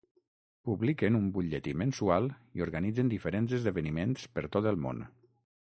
Publiquen un butlletí mensual i organitzen diferents esdeveniments per tot el món.